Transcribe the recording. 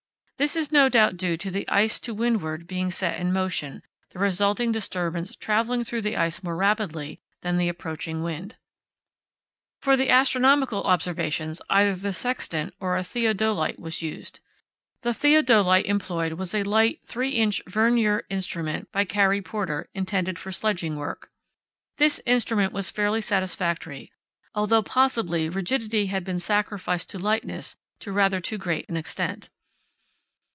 This is no doubt due to the ice to windward being set in motion, the resulting disturbance travelling through the ice more rapidly than the approaching wind. Cf. "Scientific results of Norwegian North Polar Expedition, 1893–96," vol. iii, p. 357. For the astronomical observations either the sextant or a theodolite was used. The theodolite employed was a light 3´´ Vernier instrument by Carey Porter, intended for sledging work. This instrument was fairly satisfactory, although possibly rigidity had been sacrificed to lightness to rather too great an extent.